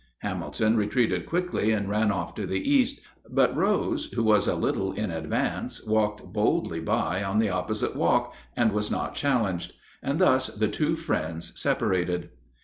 Hamilton retreated quickly and ran off to the east; but Rose, who was a little in advance, walked boldly by on the opposite walk, and was not challenged; and thus the two friends separated.